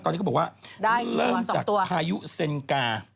ตอนนี้เขาบอกว่าเริ่มจากได้ถึงตัว๒ตัว